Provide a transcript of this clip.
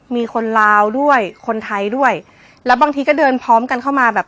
มีคนลาวด้วยคนไทยด้วยแล้วบางทีก็เดินพร้อมกันเข้ามาแบบ